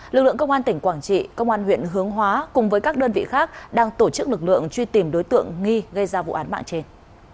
lực lượng công an tỉnh quảng trị công an huyện hướng hóa cùng với các đơn vị khác đang tổ chức lực lượng truy tìm đối tượng nghi gây ra vụ án mạng trên